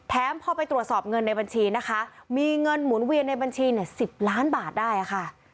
พอไปตรวจสอบเงินในบัญชีนะคะมีเงินหมุนเวียนในบัญชี๑๐ล้านบาทได้ค่ะ